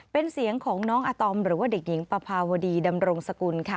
เป็นเสียงของน้องอาตอมหรือว่าเด็กหญิงปภาวดีดำรงสกุลค่ะ